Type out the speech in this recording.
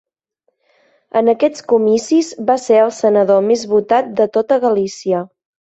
En aquests comicis va ser el senador més votat de tota Galícia.